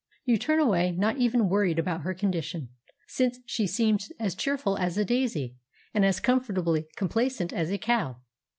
You turn away not even worried about her condition, since she seems as cheerful as a daisy and as comfortably complacent as a cow.